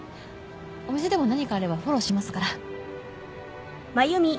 お店でも何かあればフォローしますから。